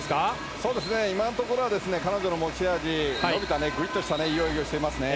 そうですね、今のところはですね、彼女の持ち味、伸びたぐいっとしたいい泳ぎをしてますね。